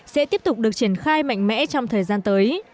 sẽ tiếp tục được triển khai mạnh mẽ trong thời gian tới